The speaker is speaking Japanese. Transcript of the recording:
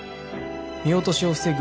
見落としを防ぐ